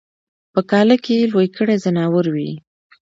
په کاله کی یې لوی کړي ځناور وي